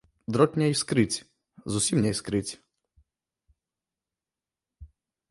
Дрот не іскрыць, зусім не іскрыць.